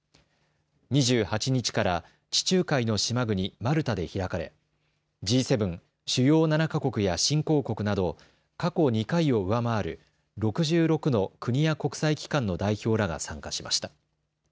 ２８日から地中海の島国マルタで開かれＧ７・主要７か国や新興国など過去２回を上回る６６の国や国際機関の代表らが参加しました。